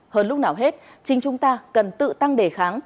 hơn lúc nào hết chính chúng ta cần tự tăng đề kháng